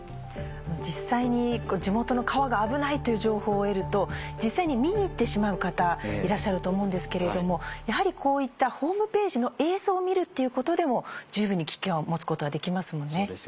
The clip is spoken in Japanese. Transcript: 実際に地元の川が危ないという情報を得ると実際に見に行ってしまう方いらっしゃると思うんですけどやはりこういったホームページの映像を見るっていうことでも十分に危機感を持つことができますもんね。